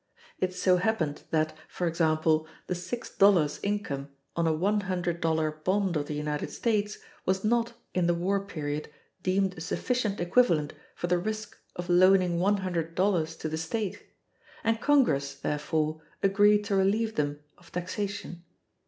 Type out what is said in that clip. It so happened that, for example, the six dollars income on a one hundred dollar bond of the United States was not, in the war period, deemed a sufficient equivalent for the risk of loaning one hundred dollars to the state; and Congress, therefore, agreed to relieve them of taxation.